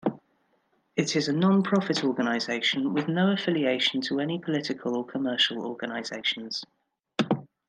It is a non-profit organisation with no affiliation to any political or commercial organizations.